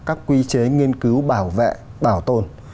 các quy chế nghiên cứu bảo vệ bảo tồn